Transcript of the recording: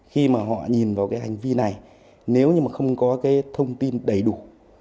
khi mà họ nhìn vào cái hành vi này nếu như mà không có cái thông tin đầy đủ